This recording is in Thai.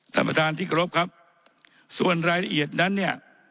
ท่านประธานที่กรบครับส่วนรายละเอียดนั้นเนี่ย